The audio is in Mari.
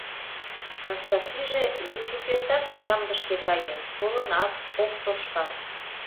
Настасиже вет шукертак ямдышке каен, толынат ок тошкал.